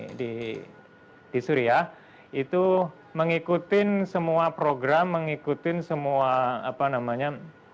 saya di suriah itu mengikuti semua program mengikuti semua apa namanya